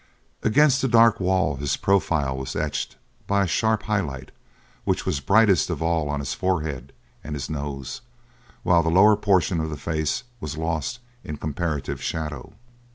Against the dark wall his profile was etched by a sharp highlight which was brightest of all on his forehead and his nose; while the lower portion of the face was lost in comparative shadow.